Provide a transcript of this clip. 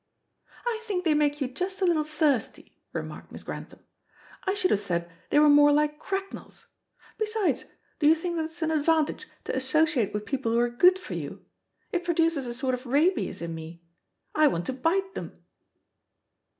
"I think they make you just a little thirsty," remarked Miss Grantham. "I should have said they were more like cracknels. Besides, do you think that it's an advantage to associate with people who are good for you? It produces a sort of rabies in me. I want to bite them."